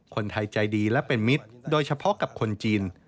คนไทยใจดีและเป็นมิตรโดยเฉพาะกับคนจีน